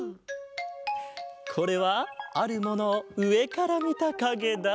これはあるものをうえからみたかげだ。